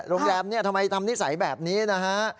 โรงแรมเนี่ยทำไมทำนิสัยแบบนี้นะฮะ